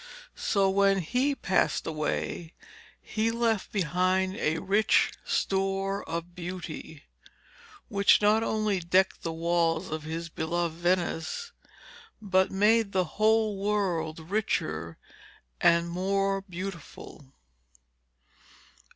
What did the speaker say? So, when he passed away, he left behind a rich store of beauty, which not only decked the walls of his beloved Venice, but made the whole world richer and more beautiful.